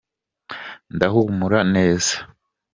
ndahumura neza.